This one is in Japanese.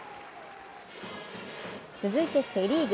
続いてセ・リーグ。